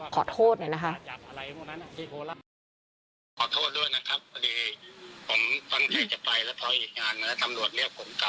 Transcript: ขอโทษหน่อยนะคะ